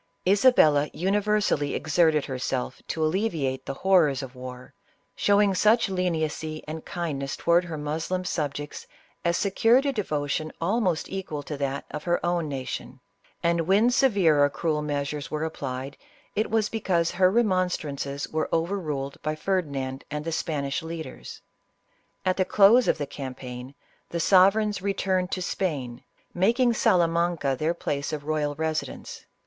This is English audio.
Isabella universally ex erted herself to alleviate the horrors of war, showing such leniency and kindness towards her Moslem sub jects, as secured a devotion almost equal to that of her own nation ; and when severe or cruel measures were applied, it was because her remonstrances were over ruled by Ferdinand and the Spanish leaders. At the close of the campaign, the sovereigns returned to Spain, making Salamanca their place of royal resi dence.